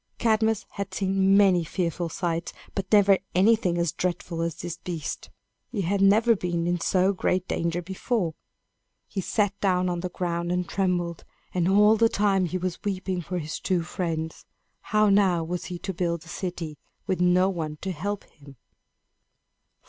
Cadmus had seen many fearful sights, but never anything so dreadful as this beast. He had never been in so great danger before. He sat down on the ground and trembled; and, all the time, he was weeping for his two friends. How now was he to build a city, with no one to help him?